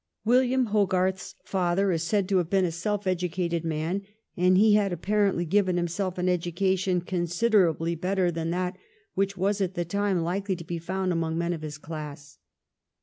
William Hogarth's father is said to have been a self educated man, and he had apparently given himseK an education considerably better than that which was at the time likely to be found among men of his class.